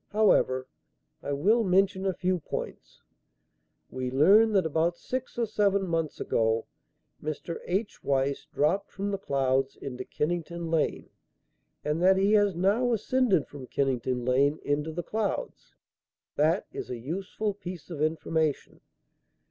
However, I will mention a few points. We learn that about six or seven months ago, Mr. H. Weiss dropped from the clouds into Kennington Lane and that he has now ascended from Kennington Lane into the clouds. That is a useful piece of information.